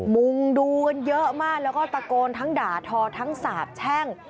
มุงดูกันเยอะมากแล้วก็ตะโกนทั้งด่าทอทั้งสาบแช่ง